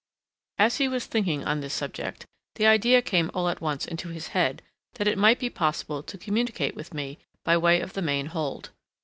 As he was thinking on this subject, the idea came all at once into his head that it might be possible to communicate with me by the way of the main hold.